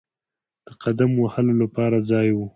د قدم وهلو لپاره ځای وو.